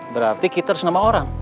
berarti kita harus nama orang